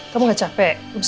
kamu gak capek